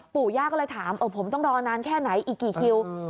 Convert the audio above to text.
ปู่ย่าก็เลยถามผมต้องรอนานแค่ไหนอีกกี่คิว